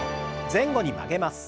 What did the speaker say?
前後に曲げます。